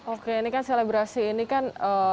oke ini kan selebrasi ini kan